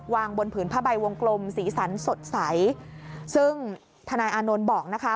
วางบนผืนผ้าใบวงกลมสีสันสดใสซึ่งทนายอานนท์บอกนะคะ